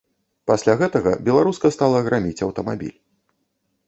Пасля гэтага беларуска стала граміць аўтамабіль.